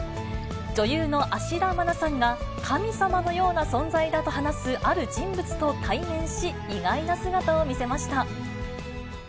女優の芦田愛菜さんが、神様のような存在だと話すある人物と対面し、意外な姿を見せました。